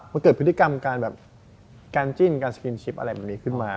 มันเกิดพฤติกรรมการแบบการจิ้นการสกินชิปอะไรแบบนี้ขึ้นมา